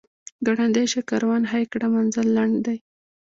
ګړندی شه کاروان هی کړه منزل لنډ دی.